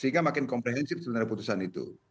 sehingga makin komprehensif sebenarnya putusan itu